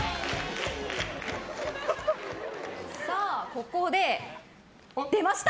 ここで、出ました！